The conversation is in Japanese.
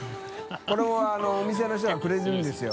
これはお店の人がくれるんですよ